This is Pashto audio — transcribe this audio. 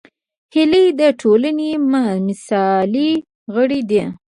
هیلۍ د ټولنې مثالي غړې ده